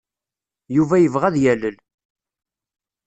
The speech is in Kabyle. Yuba yebɣa ad yalel.